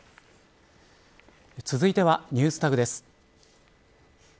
続いてはＮｅｗｓＴａｇです。